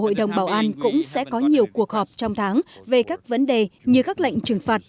hội đồng bảo an cũng sẽ có nhiều cuộc họp trong tháng về các vấn đề như các lệnh trừng phạt